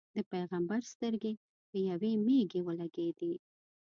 د پېغمبر سترګې په یوې مېږې ولګېدې.